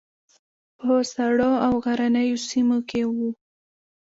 په سړو او غرنیو سیمو کې وو.